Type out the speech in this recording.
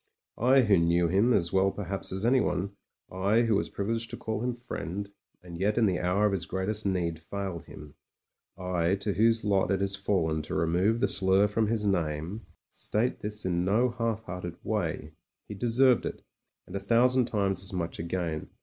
I, who knew him, as well perhaps as anyone; I, who was privileged to call him friend, and yet in the hour of his greatest need failed him; I, to whose lot it has fallen to remove the slur from his name, state 77 78 ' MEN, WOMEN AND GUNS this in no hialf hearted way. He deserved it, and a thousand times as much again.